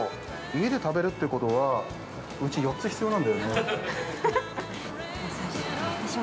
家で食べるってことは、うち４つ必要なんだよね。